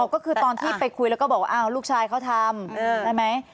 ก็คือตอนที่ไปคุยแล้วก็บอกว่าลูกชายเขาทำใช่ไหม